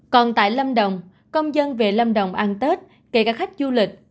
còn tại lâm đồng công dân về lâm đồng ăn tết kể cả khách du lịch